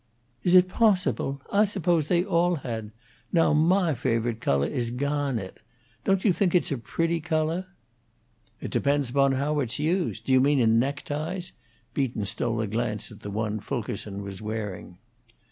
"Is it possible? I supposed they all had. Now mah favo'ite colo' is gawnet. Don't you think it's a pretty colo'?" "It depends upon how it's used. Do you mean in neckties?" Beaton stole a glance at the one Fulkerson was wearing.